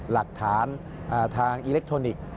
หลักฐานทางอิเล็กทรอนิกส์